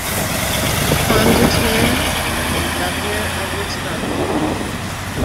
Congressman and governor of Wisconsin.